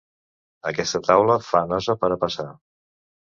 Aquesta taula fa nosa per a passar.